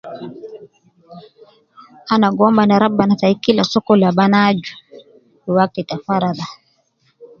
Ana gi womba na Rabbana tayi Kila sokol ab ana aju wakti ta faraag.